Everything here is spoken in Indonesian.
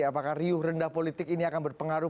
apakah riuh rendah politik ini akan berpengaruh